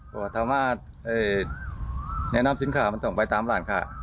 ขอถามมาแนะนำสินค่ามันถึงไปตามหลานค่ะ